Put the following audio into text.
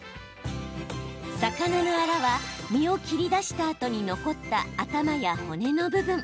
魚のあらは身を切り出したあとに残った、頭や骨の部分。